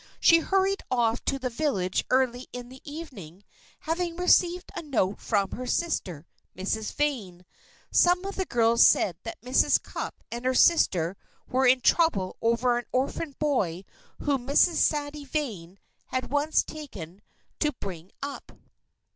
She hurried off to the village early in the evening, having received a note from her sister, Miss Vane. Some of the girls said that Mrs. Cupp and her sister were in trouble over an orphan boy whom Miss Sadie Vane had once taken to bring up.